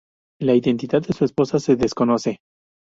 La identidad de su esposa se desconoce.